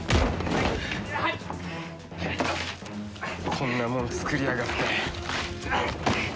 こんなもん作りやがって！